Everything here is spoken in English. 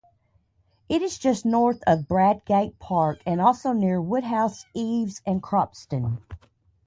It is just north of Bradgate Park and also near Woodhouse Eaves and Cropston.